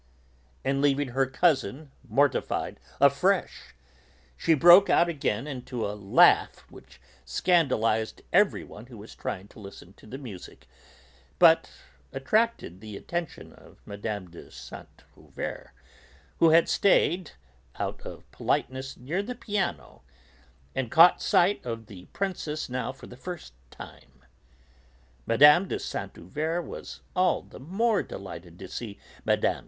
And leaving her cousin mortified afresh, she broke out again into a laugh which scandalised everyone who was trying to listen to the music, but attracted the attention of Mme. de Saint Euverte, who had stayed, out of politeness, near the piano, and caught sight of the Princess now for the first time. Mme. de Saint Euverte was all the more delighted to see Mme.